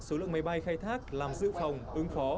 số lượng máy bay khai thác làm dự phòng ứng phó